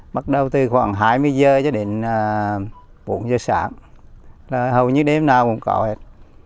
bắt đầu từ khoảng hai mươi giờ cho đến bốn giờ sáng hầu như đêm nào cũng có hết